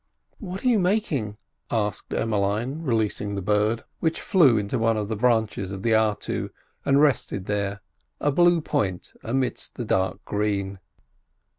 "What are you making?" asked Emmeline, releasing the bird, which flew into one of the branches of the artu and rested there, a blue point amidst the dark green.